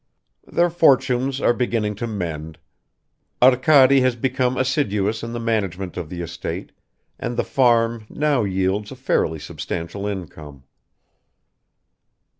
Their fortunes are beginning to mend. Arkady has become assiduous in the management of the estate, and the "farm" now yields a fairly substantial income.